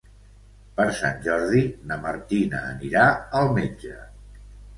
Per Sant Jordi na Martina anirà al metge.